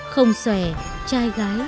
không xòe trai gai